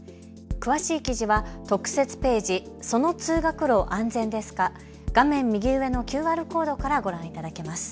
詳しい記事は特設ページ、その通学路、安全ですか、画面右上のＱＲコードからご覧いただけます。